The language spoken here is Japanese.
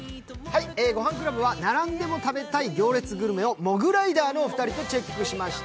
「ごはんクラブ」は並んでも食べたい行列グルメをモグライダーの２人とチェックしました。